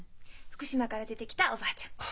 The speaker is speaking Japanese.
福島から出てきたおばあちゃん。